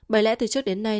bởi lẽ từ trước đến nay